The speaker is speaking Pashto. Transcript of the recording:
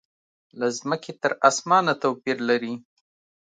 له مځکې تر اسمانه توپیر لري.